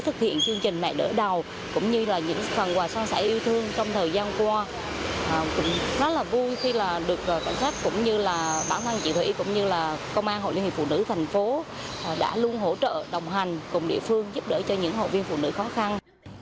trung tá thủy đã luôn hỗ trợ đồng hành cùng địa phương giúp đỡ cho những hội viên phụ nữ khó khăn